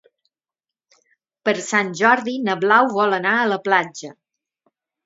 Per Sant Jordi na Blau vol anar a la platja.